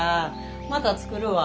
また作るわ。